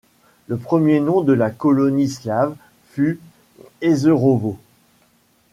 Le premier nom de la colonie slave fut Ezerovo.